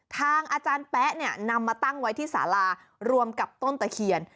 ทางอาจารย์แป๊ะเนี่ยนำมาตั้งไว้ที่สารารวมกับต้นตะเคียน